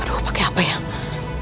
aduh pakai apa ya